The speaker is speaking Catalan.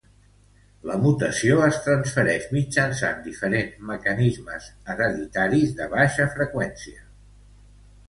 La mutació es transferix mitjançant diferents mecanismes hereditaris de baixa freqüència.